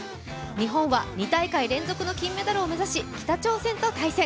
日本は２大会連続の金メダルを目指し北朝鮮と対戦。